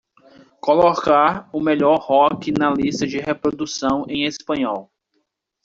colocar o melhor rock na lista de reprodução em espanhol